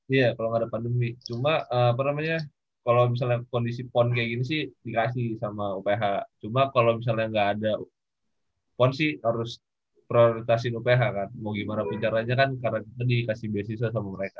iya kalau gak ada pandemi cuma apa namanya kalau misalnya kondisi pon kayak gini sih dikasih sama uphl cuma kalau misalnya gak ada pon sih harus prioritasiin uphl kan mau gimana bicara aja kan karena dikasih beasiswa sama mereka